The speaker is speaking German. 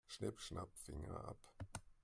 Schnipp-schnapp, Finger ab.